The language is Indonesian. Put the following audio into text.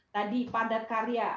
tadi padat karya